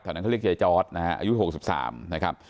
แถวนั้นเขาเรียกยายจอร์ดนะฮะอายุหกสิบสามนะครับ